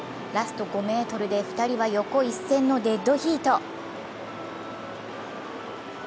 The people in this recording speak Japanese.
ラスト５ｍで二人は横一線のデッドヒート。